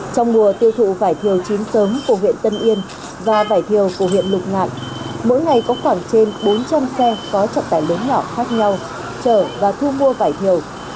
trong mùa tiêu thụ vải thiều chín sớm của huyện tân yên và vải thiều của huyện lục ngạn mỗi ngày có khoảng trên bốn trăm linh xe có trọng tải lớn nhỏ khác nhau chở và thu mua vải thiều